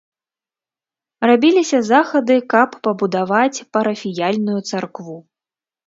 Рабіліся захады, каб пабудаваць парафіяльную царкву.